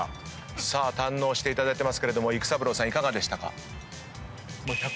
堪能していただいてますけれども育三郎さんいかがでしたか？